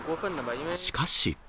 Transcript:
しかし。